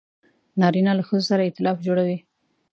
نارینه له ښځو سره ایتلاف جوړوي.